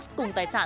em không biết gì là